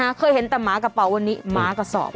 เคยเห็นแต่หมากระเป๋าวันนี้หมากระสอบ